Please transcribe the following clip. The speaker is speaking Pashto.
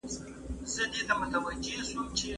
دريم مطلب - داوسنيو حكومتونو او اسلامې حكومت پرتله: